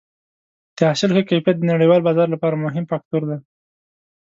د حاصل ښه کیفیت د نړیوال بازار لپاره مهم فاکتور دی.